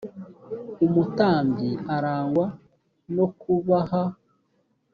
umutambyi arangwa nokubaha.